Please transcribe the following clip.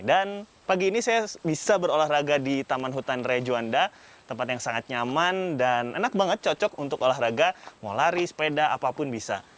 dan pagi ini saya bisa berolahraga di taman hutan rejuanda tempat yang sangat nyaman dan enak banget cocok untuk olahraga mau lari sepeda apapun bisa